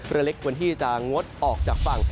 เรือเล็กควรที่จะงดออกจากฝั่ง